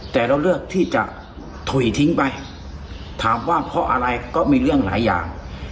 แต่เราเลือกที่จะถุยทิ้งไปถามว่าเพราะอะไรก็มีเรื่องหลายอย่าง